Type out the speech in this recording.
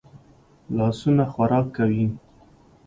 لاسونه خوراک کوي